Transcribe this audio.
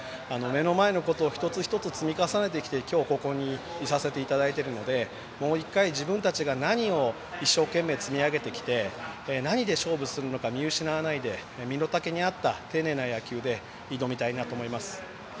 目の前のことを一つ一つ積み重ねてきて今日、ここにいさせていただいているのでもう１回、自分たちが何を一生懸命積み上げてきて何で勝負するのか見失わないで身の丈に合った丁寧な野球で挑みたいなと思います。